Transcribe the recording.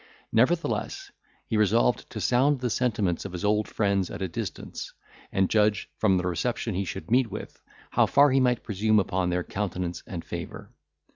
Nevertheless, he resolved to sound the sentiments of his old friends at a distance, and judge, from the reception he should meet with, how far he might presume upon their countenance and favour.